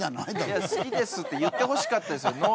いや好きですって言ってほしかったですよ